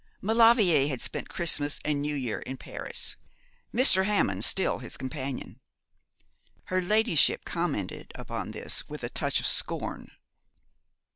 Maulevrier had spent Christmas and New Year in Paris, Mr. Hammond still his companion. Her ladyship commented upon this with a touch of scorn.